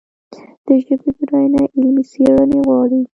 د ژبې بډاینه علمي څېړنې غواړي.